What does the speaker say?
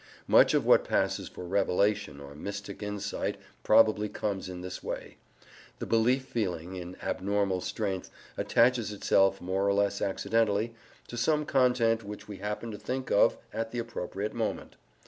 Much of what passes for revelation or mystic insight probably comes in this way: the belief feeling, in abnormal strength, attaches itself, more or less accidentally, to some content which we happen to think of at the appropriate moment.